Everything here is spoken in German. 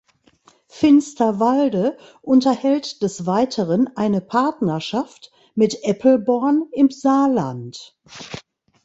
Finsterwalde unterhält des Weiteren eine Partnerschaft mit Eppelborn im Saarland.